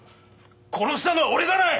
殺したのは俺じゃない！